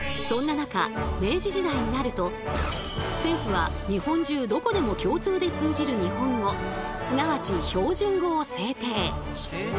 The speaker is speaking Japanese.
そんな中明治時代になると政府は日本中どこでも共通で通じる日本語すなわち「標準語」を制定。